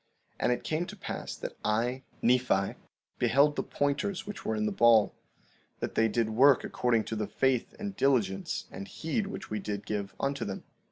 16:28 And it came to pass that I, Nephi, beheld the pointers which were in the ball, that they did work according to the faith and diligence and heed which we did give unto them.